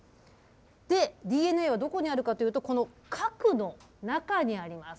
で、ＤＮＡはどこにあるかというと、この核の中にあります。